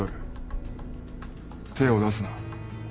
手を出すな。